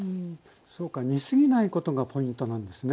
煮過ぎないことがポイントなんですね。